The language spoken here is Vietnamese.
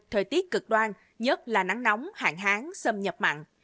thời tiết cực đoan nhất là nắng nóng hạn hán xâm nhập mặn